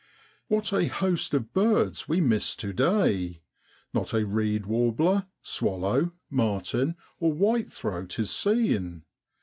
What a host of birds we miss to day ! Not a reed warbler, swallow, martin, or whitethroat is seen.